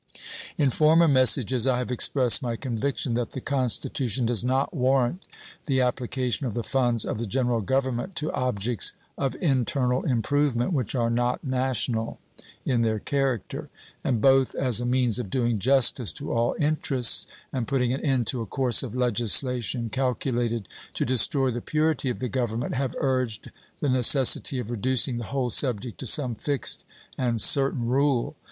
In former messages I have expressed my conviction that the Constitution does not warrant the application of the funds of the General Government to objects of internal improvement which are not national in their character, and, both as a means of doing justice to all interests and putting an end to a course of legislation calculated to destroy the purity of the Government, have urged the necessity of reducing the whole subject to some fixed and certain rule.